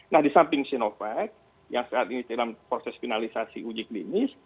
nah di samping sinovac yang saat ini dalam proses finalisasi uji klinis